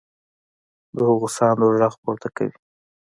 د هغو ساندو غږ پورته کوي.